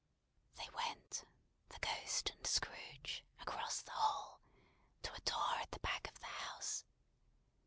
They went, the Ghost and Scrooge, across the hall, to a door at the back of the house.